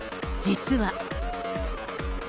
実は。